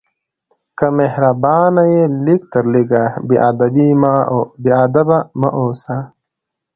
که مهربان نه یې، لږ تر لږه بېادبه مه اوسه.